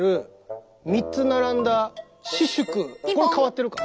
これ変わってるか？